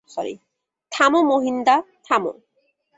থামো মহিনদা, থামো।